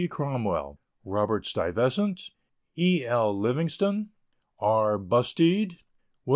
Cromwell, Robert Stuyvesant, E. L. Livingston, R. Busteed, Wm.